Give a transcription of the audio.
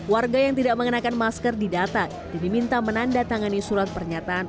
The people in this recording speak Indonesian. warga yang tidak mengenakan masker didata dan diminta menandatangani surat pernyataan